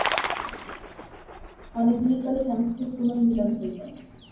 অনেকদিনের পরে স্বামীস্ত্রীর পুনর্মিলন হইল।